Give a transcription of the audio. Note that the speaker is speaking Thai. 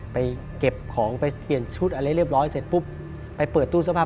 ไปเก็บของไปเปลี่ยนชุดอะไรเรียบร้อยเสร็จปุ๊บไปเปิดตู้เสื้อผ้า